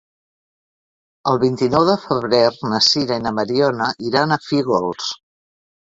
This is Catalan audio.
El vint-i-nou de febrer na Sira i na Mariona iran a Fígols.